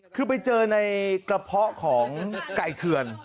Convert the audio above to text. คือไปเจอในกระเพาะของไก่เถื่อน